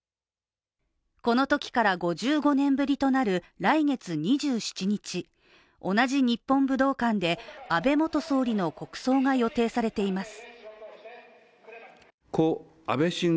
このときから５５年ぶりとなる来月２７日同じ日本武道館で安倍元総理の国葬が予定されています。